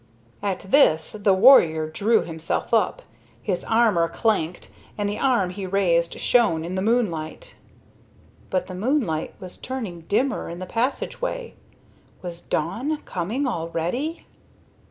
At this the warrior drew himself up. His armor clanked, and the arm he raised shone in the moonlight. But the moonlight was turning dimmer in the passageway. Was dawn coming already?